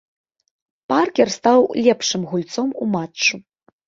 Паркер стаў лепшым гульцом ў матчу.